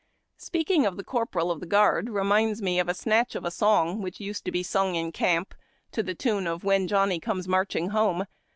Speaking of the corporal of the guard reminds me of a snatch of a song which used to be sung in camp to the tune of " When Johnny comes marching home."